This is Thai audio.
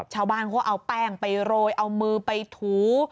ชาวบ้านเขาเอาแป้งไปโรยเอามือไปถู